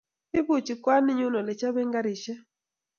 Ipuchi kwaninyu ole chabee garishek